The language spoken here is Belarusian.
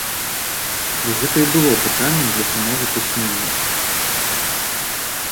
Вось гэта і было пытаннем для самога пісьменніка.